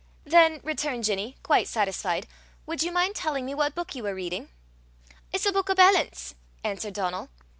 "Then," returned Ginny, quite satisfied, "would you mind telling me what book you were reading?" "It's a buik o' ballants," answered Donal.